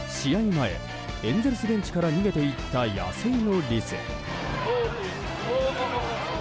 前、エンゼルスベンチから逃げていった野生のリス。